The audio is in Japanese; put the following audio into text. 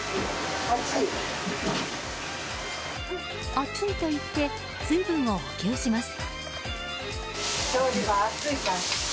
暑いと言って水分を補給します。